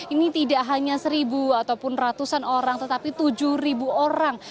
ini tidak hanya seribu ataupun ratusan orang tetapi tujuh ribu orang